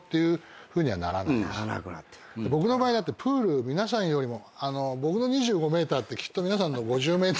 僕の場合プール皆さんよりも。